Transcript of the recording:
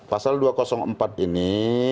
pasal dua ratus empat ini